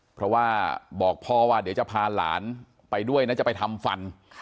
เพราะว่าบอกพ่อว่าเดี๋ยวจะพาหลานไปด้วยนะจะไปทำฟัน